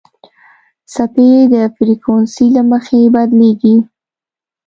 څپې د فریکونسۍ له مخې بدلېږي.